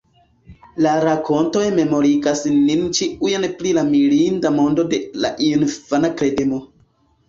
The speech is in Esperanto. La rakontoj memorigas nin ĉiujn pri la mirinda mondo de la infana kredemo.